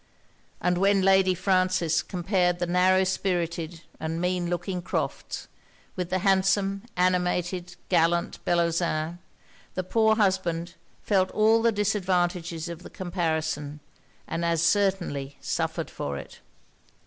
And when Lady Frances compared the narrow spirited and mean looking Crofts, with the handsome, animated, gallant Bellozane, the poor husband felt all the disadvantages of the comparison, and as certainly suffered for it.